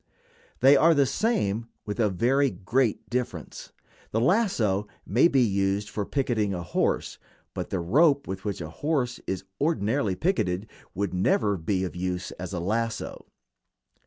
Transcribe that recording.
They are the same, with a very great difference. The lasso may be used for picketing a horse, but the rope with which a horse is ordinarily picketed would never be of use as a lasso.